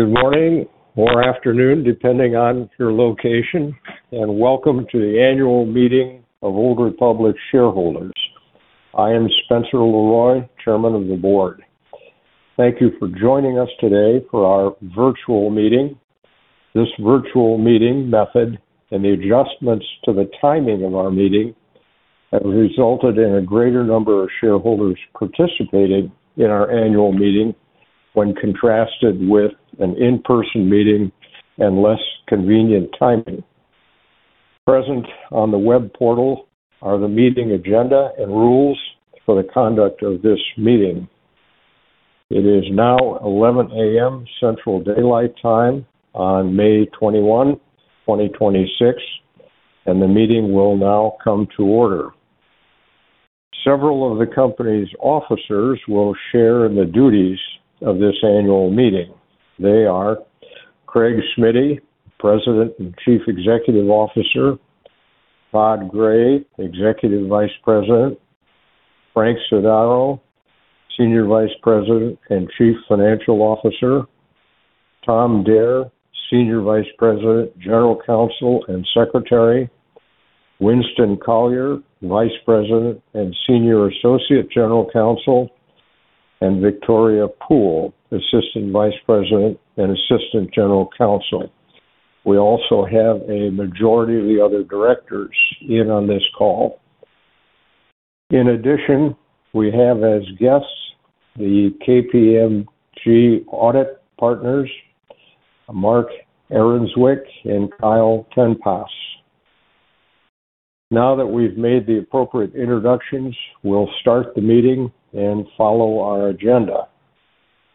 Good morning or afternoon, depending on your location, and welcome to the annual meeting of Old Republic shareholders. I am Spencer LeRoy III, Chairman of the Board. Thank you for joining us today for our virtual meeting. This virtual meeting method and the adjustments to the timing of our meeting have resulted in a greater number of shareholders participating in our annual meeting when contrasted with an in-person meeting and less convenient timing. Present on the web portal are the meeting agenda and rules for the conduct of this meeting. It is now 11:00 A.M. Central Daylight Time on May 21, 2026, the meeting will now come to order. Several of the company's officers will share in the duties of this annual meeting They are Craig Smiddy, President and Chief Executive Officer, Todd Gray, Executive Vice President, Frank Sodaro, Senior Vice President and Chief Financial Officer, Tom Dare, Senior Vice President, General Counsel, and Secretary, Winston Collier, Vice President and Senior Associate General Counsel, and Victoria Poole, Assistant Vice President and Assistant General Counsel. We also have a majority of the other directors in on this call. In addition, we have as guests the KPMG audit partners, Mark Adamczyk and Kyle Ten Pas. Now, that we've made the appropriate introductions, we'll start the meeting and follow our agenda.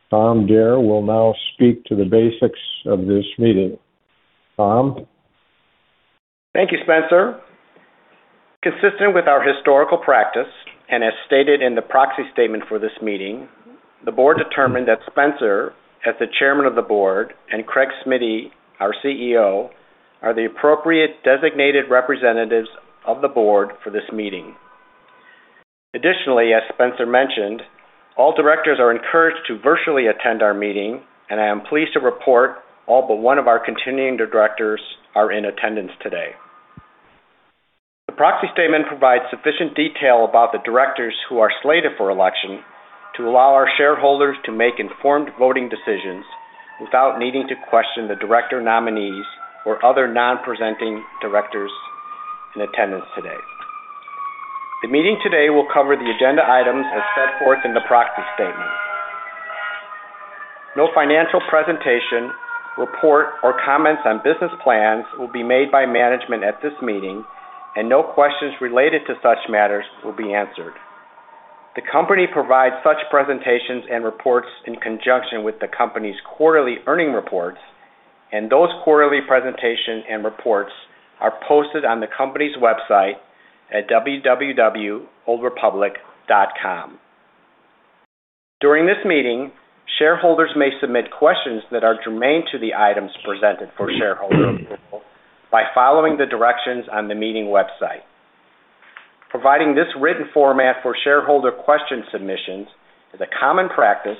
Tom Dare will now speak to the basics of this meeting. Tom? Thank you, Spencer. Consistent with our historical practice and as stated in the proxy statement for this meeting, the Board determined that Spencer, as the chairman of the Board, and Craig Smiddy, our CEO, are the appropriate designated representatives of the Board for this meeting. As Spencer mentioned, all directors are encouraged to virtually attend our meeting, and I am pleased to report all but one of our continuing directors are in attendance today. The proxy statement provides sufficient detail about the directors who are slated for election to allow our shareholders to make informed voting decisions without needing to question the director nominees or other non-presenting directors in attendance today. The meeting today will cover the agenda items as set forth in the proxy statement. No financial presentation, report, or comments on business plans will be made by management at this meeting, and no questions related to such matters will be answered. The company provides such presentations and reports in conjunction with the company's quarterly earnings reports, and those quarterly presentation and reports are posted on the company's website at www.oldrepublic.com. During this meeting, shareholders may submit questions that are germane to the items presented for shareholder approval by following the directions on the meeting website. Providing this written format for shareholder question submissions is a common practice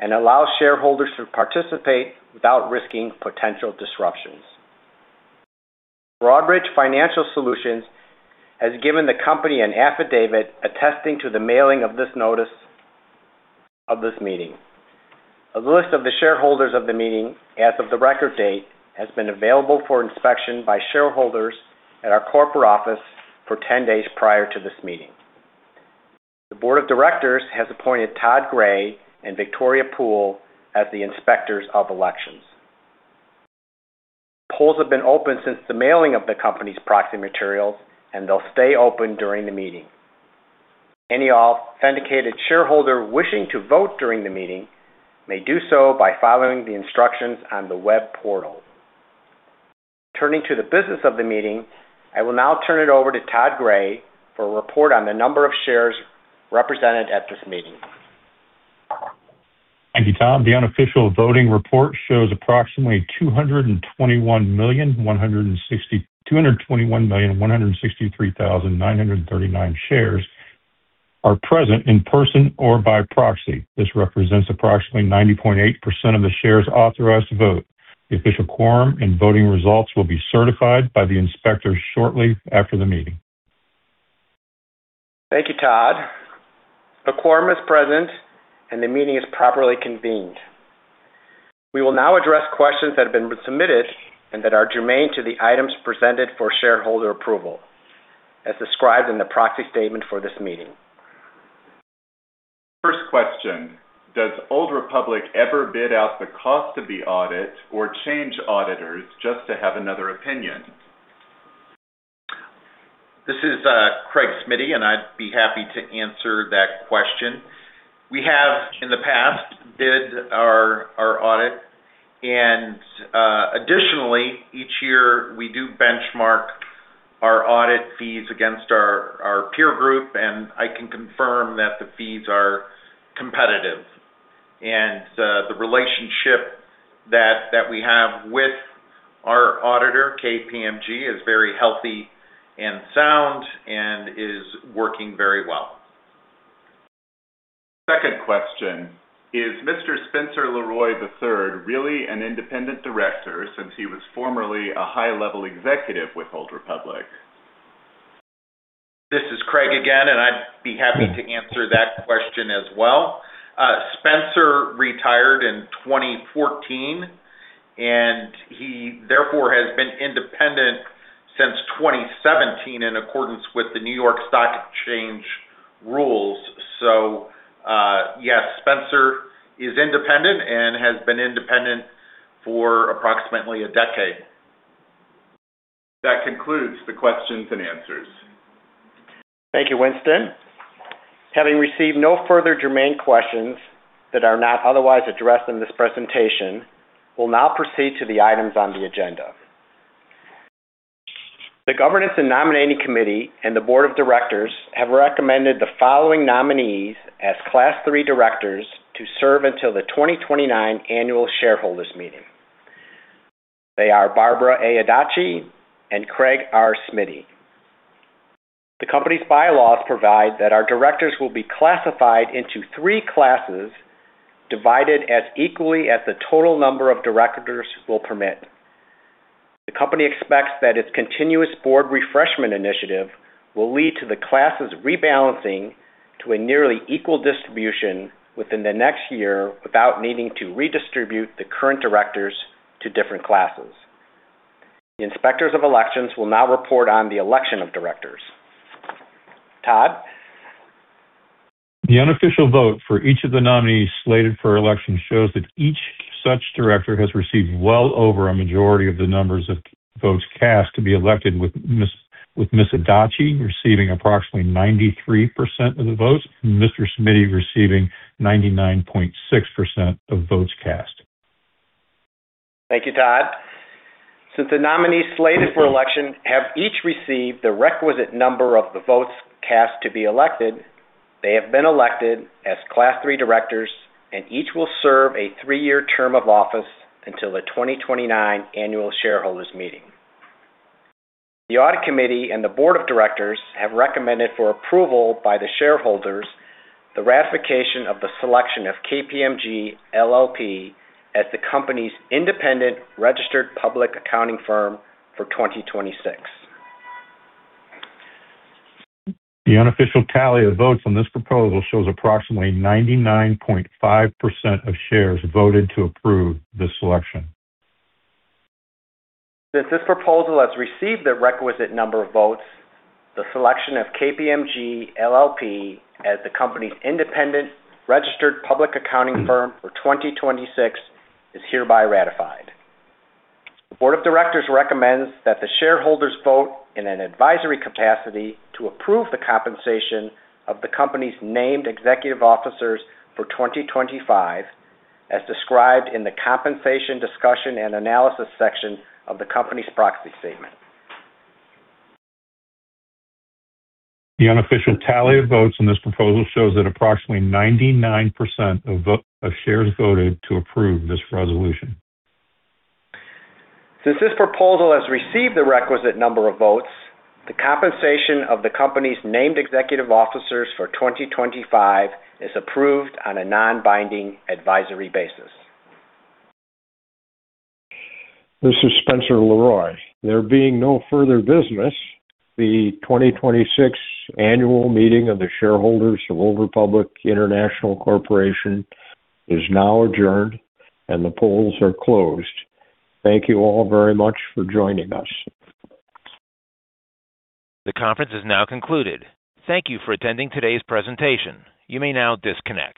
and allows shareholders to participate without risking potential disruptions. Broadridge Financial Solutions has given the company an affidavit attesting to the mailing of this notice of this meeting. A list of the shareholders of the meeting as of the record date has been available for inspection by shareholders at our corporate office for 10 days prior to this meeting. The board of directors has appointed Todd Gray and Victoria Poole as the inspectors of elections. Polls have been open since the mailing of the company's proxy materials, and they'll stay open during the meeting. Any authenticated shareholder wishing to vote during the meeting may do so by following the instructions on the web portal. Turning to the business of the meeting, I will now turn it over to Todd Gray for a report on the number of shares represented at this meeting. Thank you, Tom. The unofficial voting report shows approximately 221,163,939 shares are present in person or by proxy. This represents approximately 90.8% of the shares authorized to vote. The official quorum and voting results will be certified by the inspector shortly after the meeting. Thank you, Todd. The quorum is present, and the meeting is properly convened. We will now address questions that have been submitted and that are germane to the items presented for shareholder approval, as described in the proxy statement for this meeting. First question: Does Old Republic ever bid out the cost of the audit or change auditors just to have another opinion? This is Craig Smiddy, and I'd be happy to answer that question. We have in the past bid our audit and, additionally, each year we do benchmark our audit fees against our peer group, and I can confirm that the fees are competitive. The relationship that we have with KPMG is very healthy and sound, and is working very well. Second question: Is Mr. Spencer LeRoy III really an independent director since he was formerly a high-level executive with Old Republic? This is Craig again, and I'd be happy to answer that question as well. Spencer retired in 2014, and he therefore has been independent since 2017 in accordance with the New York Stock Exchange rules. Yes, Spencer is independent and has been independent for approximately a decade. That concludes the questions and answers. Thank you, Winston. Having received no further germane questions that are not otherwise addressed in this presentation, we'll now proceed to the items on the agenda. The Governance and Nominating Committee and the Board of Directors have recommended the following nominees as Class III directors to serve until the 2029 annual shareholders meeting. They are Barbara A. Adachi and Craig R. Smiddy. The company's bylaws provide that our directors will be classified into three classes, divided as equally as the total number of directors will permit. The company expects that its continuous board refreshment initiative will lead to the classes rebalancing to a nearly equal distribution within the next year without needing to redistribute the current directors to different classes. The Inspectors of Elections will now report on the election of directors. Todd? The unofficial vote for each of the nominees slated for election shows that each such Director has received well over a majority of the numbers of votes cast to be elected with Ms. Adachi receiving approximately 93% of the votes and Mr. Smiddy receiving 99.6% of votes cast. Thank you, Todd. Since the nominees slated for election have each received the requisite number of the votes cast to be elected, they have been elected as Class III directors, and each will serve a three-year term of office until the 2029 annual shareholders meeting. The Audit Committee and the Board of Directors have recommended for approval by the shareholders the ratification of the selection of KPMG LLP as the company's independent registered public accounting firm for 2026. The unofficial tally of votes on this proposal shows approximately 99.5% of shares voted to approve this selection. Since this proposal has received the requisite number of votes, the selection of KPMG LLP as the company's independent registered public accounting firm for 2026 is hereby ratified. The Board of Directors recommends that the shareholders vote in an advisory capacity to approve the compensation of the company's named executive officers for 2025, as described in the compensation discussion and analysis section of the company's proxy statement. The unofficial tally of votes on this proposal shows that approximately 99% of shares voted to approve this resolution. Since this proposal has received the requisite number of votes, the compensation of the company's named executive officers for 2025 is approved on a non-binding advisory basis. This is Spencer LeRoy III. There being no further business, the 2026 annual meeting of the shareholders of Old Republic International Corporation is now adjourned, and the polls are closed. Thank you all very much for joining us. The conference has now concluded. Thank you for attending today's presentation. You may now disconnect.